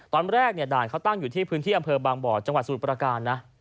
ตอนแรกเนี่ยด่านเขาตั้งอยู่ที่พื้นที่อำเภอบางบ่อจังหวัดสมุทรประการนะ